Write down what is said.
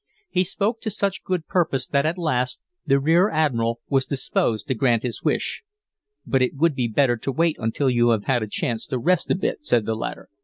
He spoke to such good purpose that at last the rear admiral was disposed to grant his wish. "But it would be better to wait until you have had a chance to rest a bit," said the latter.